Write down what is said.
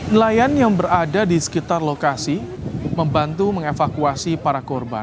nelayan yang berada di sekitar lokasi membantu mengevakuasi para korban